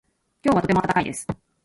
今日はとても暖かいです。